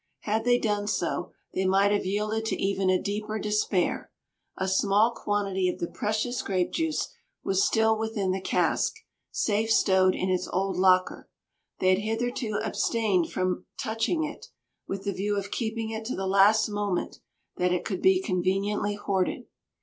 Had they done so, they might have yielded to even a deeper despair. A small quantity of the precious grape juice was still within the cask, safe stowed in its old locker. They had hitherto abstained from touching it, with the view of keeping it to the last moment that it could be conveniently hoarded.